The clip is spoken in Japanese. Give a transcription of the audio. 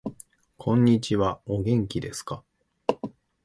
こんにちはお元気ですか